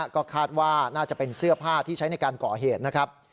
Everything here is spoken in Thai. ก็คาดว่าน่าจะเป็นเสื้อผ้าที่ใช้ในการก่อเหตุนะครับ